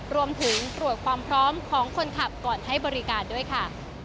รวมถึงตรวจความพร้อมของคนขับก่อนให้บริการด้วยค่ะ